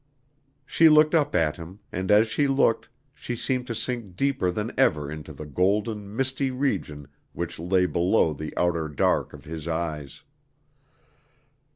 She looked up at him and as she looked, she seemed to sink deeper than ever into the golden, misty region which lay below the outer dark of his eyes.